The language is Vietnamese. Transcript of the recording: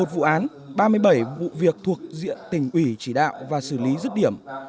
một mươi một vụ án ba mươi bảy vụ việc thuộc diện tỉnh ủy chỉ đạo và xử lý dứt điểm